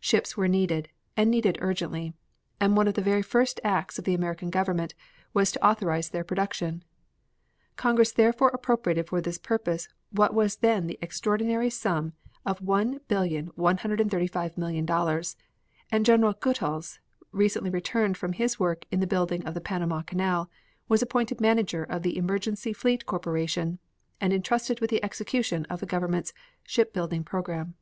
Ships were needed, and needed urgently, and one of the very first acts of the American Government was to authorize their production. Congress therefore appropriated for this purpose what was then the extraordinary sum of $1,135,000,000 and General Goethals, recently returned from his work in building the Panama Canal, was appointed manager of the Emergency Fleet Corporation and entrusted with the execution of the government's ship building program.